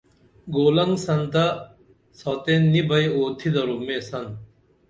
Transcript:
گولنگ سنتہ ساتین نی بئی اُوتھی درو مے سن